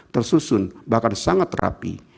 tersusun bahkan sangat rapi